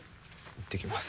いってきます。